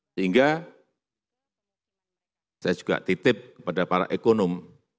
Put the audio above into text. sehingga saya juga titip kepada para ekonom